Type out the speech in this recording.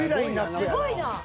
すごいな。